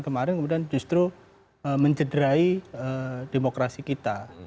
kemarin kemudian justru mencederai demokrasi kita